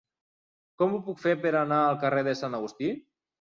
Com ho puc fer per anar al carrer de Sant Agustí?